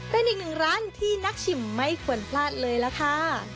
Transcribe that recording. เป็นอีกหนึ่งร้านที่นักชิมไม่ควรพลาดเลยล่ะค่ะ